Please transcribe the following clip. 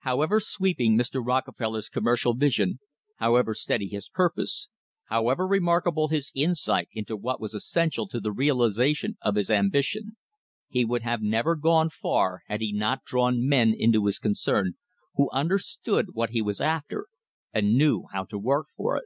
However sweeping Mr. Rockefeller's commercial vision, however steady his purpose, however remarkable his insight into what was essential to the realisation of his ambi tion, he would have never gone far had he not drawn men into his concern who understood what he was after and knew how to work for it.